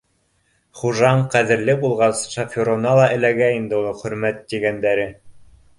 Хужаң ҡәҙерле булғас, шоферына ла эләгә инде ул хөрмәт тигәндәре